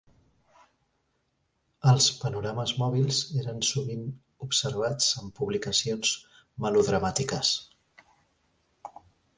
Els panorames mòbils eren sovint observats en publicacions melodramàtiques.